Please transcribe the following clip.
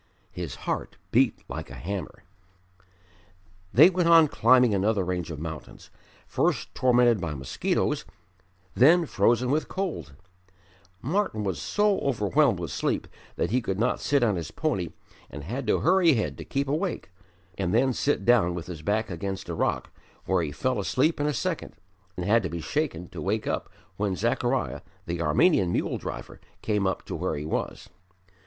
His heart beat like a hammer. They went on climbing another range of mountains, first tormented by mosquitoes, then frozen with cold; Martyn was so overwhelmed with sleep that he could not sit on his pony and had to hurry ahead to keep awake and then sit down with his back against a rock where he fell asleep in a second, and had to be shaken to wake up when Zechariah, the Armenian mule driver, came up to where he was.